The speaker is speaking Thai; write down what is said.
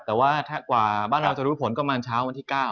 แต่ว่ากว่าบ้านเราจะรู้ผลประมาณเช้าวันที่๙